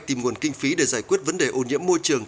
tìm nguồn kinh phí để giải quyết vấn đề ô nhiễm môi trường